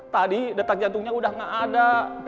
tadi detak jantungnya udah gak ada